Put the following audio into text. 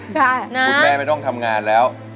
คุณแม่ไม่ต้องทำงานแล้ว